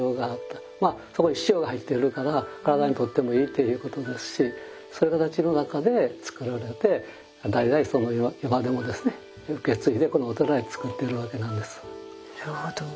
そこに塩が入ってるから体にとってもいいということですしそういう形の中で造られて代々今でもですね受け継いでこのお寺で造ってるわけなんです。